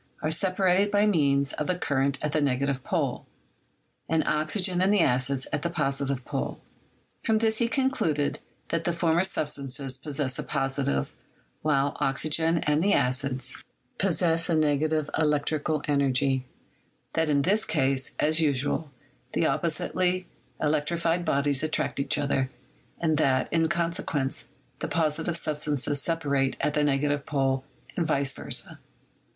are separated by means of the current at the negative pole, and oxygen and the acids at the positive pole. From this he concluded that the former substances possess a positive, while oxygen and the acids 192 CHEMISTRY possess a negative electrical energy; that in this case, as usual, the oppositely electrified bodies attract each other; and that, in consequence, the positive substances separate at the negative pole, and vice versa.